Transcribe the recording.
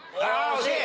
惜しい！